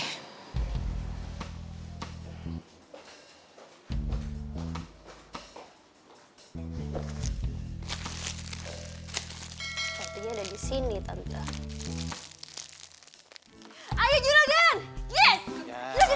tante tinggalin kamu sendiri ya